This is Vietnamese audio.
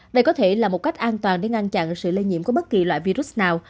đây có thể là một cách an toàn để ngăn chặn sự lây nhiễm của bất kỳ loại virus nào